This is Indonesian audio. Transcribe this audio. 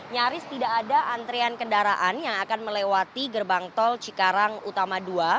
nyaris tidak ada antrian kendaraan yang akan melewati gerbang tol cikarang utama dua